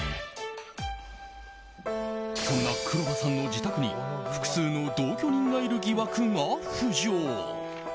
そんな黒羽さんの自宅に複数の同居人がいる疑惑が浮上。